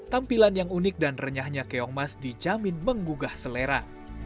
tampilan yang unik dan renyahnya keongmas dijamin menggugah selera